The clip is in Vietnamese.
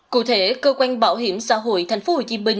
cụ thể cơ quan bảo hiểm xã hội tp hcm